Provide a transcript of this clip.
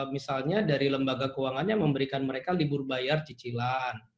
misalnya dari lembaga keuangannya memberikan mereka libur bayar cicilan